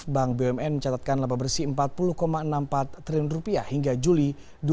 bank bumn mencatatkan laba bersih rp empat puluh enam puluh empat triliun hingga juli dua ribu dua puluh